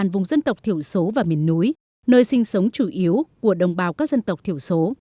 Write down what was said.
vùng dân tộc thiểu số và miền núi nơi sinh sống chủ yếu của đồng bào các dân tộc thiểu số